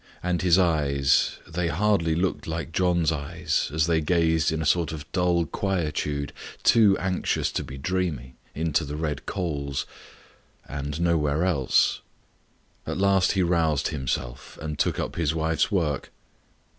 And his eyes they hardly looked like John's eyes, as they gazed in a sort of dull quietude, too anxious to be dreamy, into the red coals and nowhere else. At last he roused himself, and took up his wife's work.